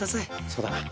そうだな。